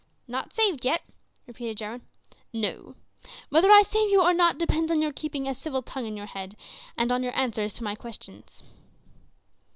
"Not saved yet?" repeated Jarwin. "No. Whether I save you or not depends on your keeping a civil tongue in your head, and on your answers to my questions."